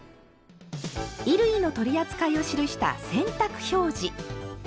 衣類の取り扱いを記した「洗濯表示」。